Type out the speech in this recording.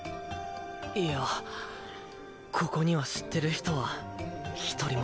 いやここには知ってる人は一人も。